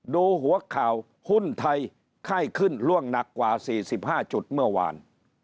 ดูหัวข่าวหุ้นไทยไข้ขึ้นล่วงหนักกว่า๔๕จุดเมื่อวาน